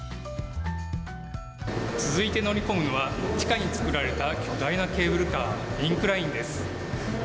続いて乗り込むは地下に造られた巨大なケーブルカーインクラインです。